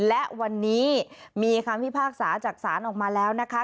และวันนี้มีคำพิพากษาจากศาลออกมาแล้วนะคะ